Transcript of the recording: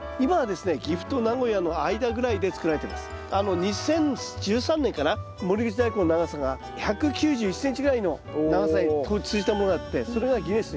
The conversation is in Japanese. ２０１３年かな守口大根の長さが１９１ｃｍぐらいの長さにものがあってそれがギネスに。